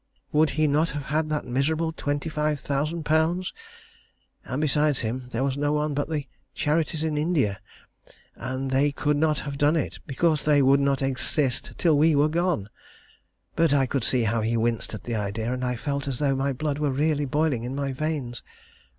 Would he not have had that miserable 25,000_l_.? and besides him, there was no one but the Charities in India, and they could not have done it, because they would not exist till we were gone;" but I could see how he winced at the idea, and I felt as though my blood were really boiling in my veins.